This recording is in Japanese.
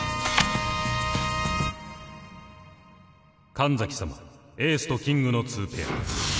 神崎さまエースとキングの２ペア。